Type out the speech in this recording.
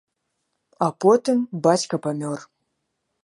А потым бацька памёр.